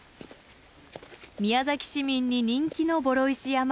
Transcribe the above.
宮崎市民に人気の双石山。